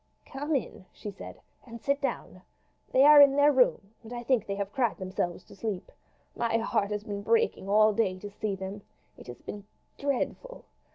"Come in," she said, "and sit down. They are in their room, and I think they have cried themselves to sleep. My heart has been breaking all day to see them. It has been dreadful.